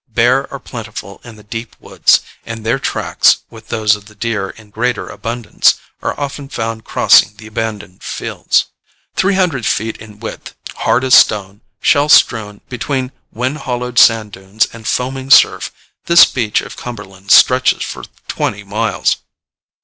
Bear are plentiful in the deep woods, and their tracks, with those of the deer in greater abundance, are often found crossing the abandoned fields. Three hundred feet in width, hard as stone, shell strewn, between wind hollowed sand dunes and foaming surf, this beach of Cumberland stretches for twenty miles.